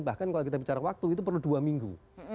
bahkan kalau kita bicara waktu itu perlu dua minggu